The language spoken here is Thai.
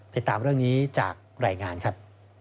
ติดตามเรื่องนี้จากรายงานครับ